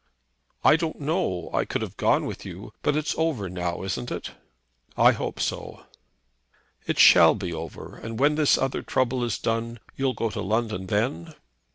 "I don't know. I could have gone with you. But it's over now, isn't it?" "I hope so." "It shall be over. And when this other trouble is done, you'll go to London then?"